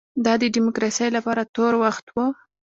دا د ډیموکراسۍ لپاره تور وخت و.